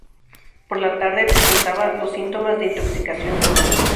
Por la tarde, presentaba los síntomas de intoxicación por hongos.